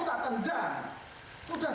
dia kita gebuk kita tendang